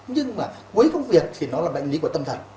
nhưng mà với công việc thì nó là bệnh lý của tâm thần